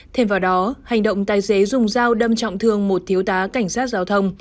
thêm vào đó hành động tài xế dùng dao đâm trọng thương một thiếu tá cảnh sát giao thông